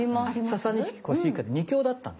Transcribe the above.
ササニシキコシヒカリの２強だったんですね。